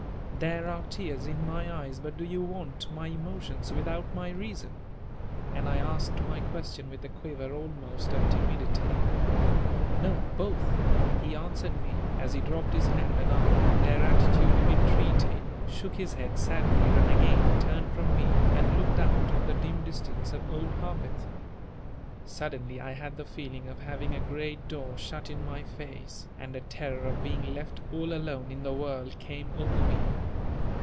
There are tears in my eyes but do you want my emotions without my reason?" And I asked my question with a quiver almost of timidity. "No, both!" he answered me, as he dropped his hand and arm from their attitude of entreaty, shook his head sadly and again turned from me and looked out on the dim distance of Old Harpeth. Suddenly I had the feeling of having a great door shut in my face, and a terror of being left all alone in the world came over me.